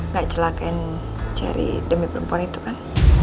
gak celakin cari demi perempuan itu kan